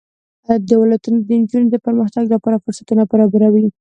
دا ولایتونه د نجونو د پرمختګ لپاره فرصتونه برابروي.